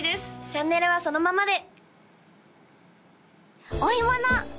チャンネルはそのままで！